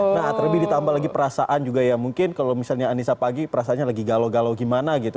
nah terlebih ditambah lagi perasaan juga ya mungkin kalau misalnya anissa pagi perasaannya lagi galau galau gimana gitu